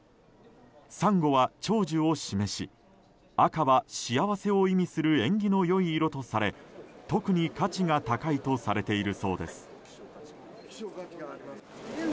サンゴは長寿を示し赤は幸せを意味する縁起の良い色とされ特に価値が高いとされているそうです。